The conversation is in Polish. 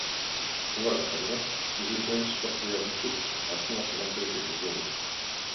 Uważam także, iż już najwyższy czas ujawnić wszystkie informacje na temat wielkiego głodu